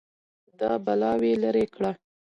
دا بلاوې لرې کړه